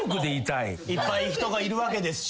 いっぱい人がいるわけですし。